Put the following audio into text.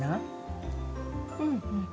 うん。